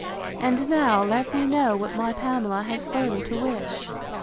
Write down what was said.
And now let me know what my Pamela has further to wish?